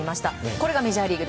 これがメジャーリーグ。